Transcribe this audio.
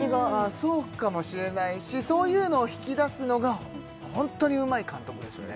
そうかもしれないしそういうのを引き出すのがホントにうまい監督ですね